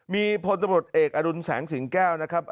มีพลตำรวจเอกอดุลแสงสิงแก้วนะครับ